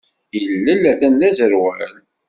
Ilel atan d aẓerwal.